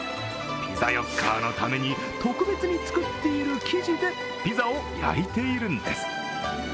ピザヨッカーのために特別に作っている生地でピザを焼いているんです。